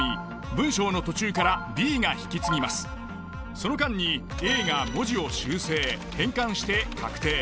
その間にＡが文字を修正・変換して確定。